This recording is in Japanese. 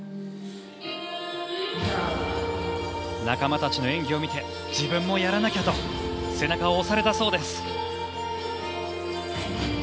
仲間たちの演技を見て自分もやらなきゃと背中を押されたそうです。